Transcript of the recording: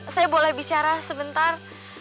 saya boleh bicara sebentar